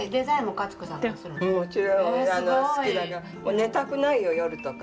寝たくないよ夜とか。